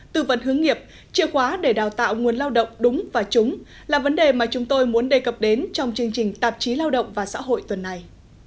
tư vấn hướng nghiệp chìa khóa để đào tạo nguồn lao động đúng và trúng là vấn đề mà chúng tôi muốn đề cập đến trong chương trình tạp chí lao động và xã hội tuần này